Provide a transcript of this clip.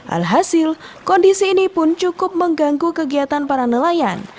alhasil kondisi ini pun cukup mengganggu kegiatan para nelayan